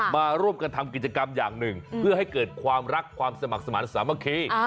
มาร่วมกันทำกิจกรรมอย่างหนึ่งเพื่อให้เกิดความรักความสมัครสมาธิสามัคคี